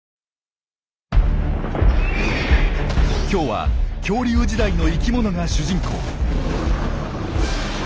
今日は恐竜時代の生きものが主人公。